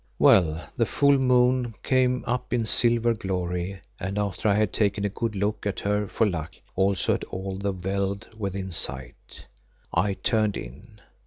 Well, the full moon came up in silver glory and after I had taken a good look at her for luck, also at all the veld within sight, I turned in.